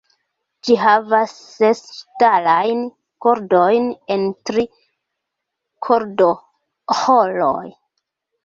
Ĝi havas ses ŝtalajn kordojn en tri kordoĥoroj.